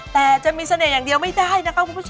แต่จะมีเสน่ห์อย่างเดียวไม่ได้นะคะคุณผู้ชม